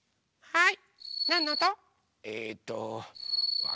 はい！